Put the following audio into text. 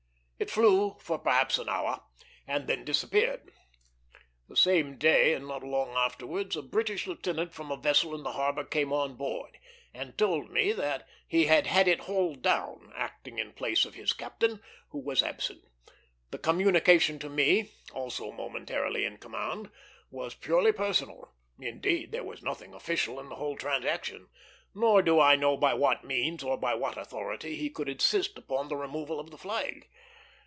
It flew for perhaps an hour, and then disappeared. The same day, and not long afterwards, a British lieutenant from a vessel in the harbor came on board, and told me that he had had it hauled down, acting in place of his captain, who was absent. The communication to me, also momentarily in command, was purely personal; indeed, there was nothing official in the whole transaction, nor do I know by what means or by what authority he could insist upon the removal of the flag.